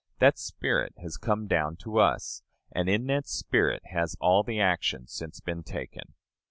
That spirit has come down to us, and in that spirit has all the action since been taken.